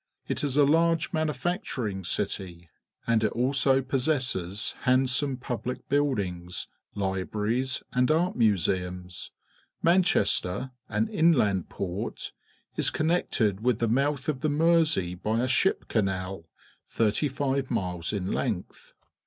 It is a large manufacturing city, and it also possesses Picturesque London — Tower hand some public buildings, libraries, and art mu.seums. Manchester, an inland port, is connected with the mouth of the Mersey by a ship canal, tliirty five miles in length.